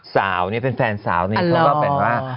สาวนี่เป็นแฟนสาวนี่เขาก็แบบว่า